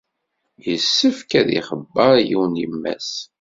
Yessefk ad ixebber yiwen yemma-s.